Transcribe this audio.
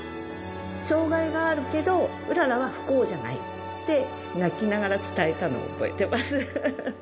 障がいがあるけど、麗は不幸じゃないって、泣きながら伝えたのを覚えてます。